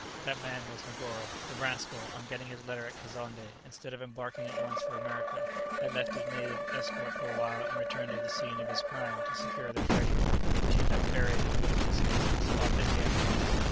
That man was Negoro. The rascal, on getting his letter at Kazonndé, instead of embarking at once for America, had left his native escort for a while, and returned to the scene of his crime to secure the treasure which he had left buried at a little distance in a spot that he had marked.